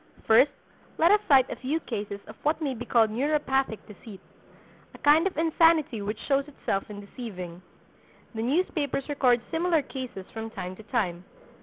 First, let us cite a few cases of what may be called neuropathic deceit—a kind of insanity which shows itself in deceiving. The newspapers record similar cases from time to time.